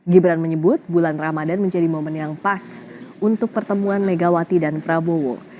gibran menyebut bulan ramadan menjadi momen yang pas untuk pertemuan megawati dan prabowo